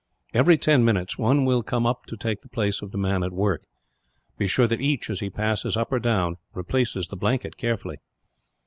Every ten minutes, one will come up to take the place of the man at work. Be sure that each, as he passes up or down, replaces the blanket carefully."